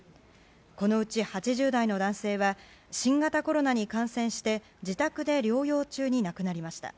このうち８０代の男性は新型コロナに感染して自宅で療養中に亡くなりました。